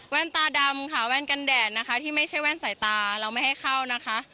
ตาดำค่ะแว่นกันแดดนะคะที่ไม่ใช่แว่นสายตาเราไม่ให้เข้านะคะ